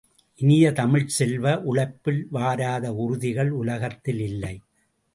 இனிய தமிழ்ச் செல்வ, உழைப்பில் வாராத உறுதிகள் உலகத்தில் இல்லை!